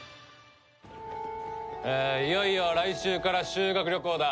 いよいよ来週から修学旅行だ。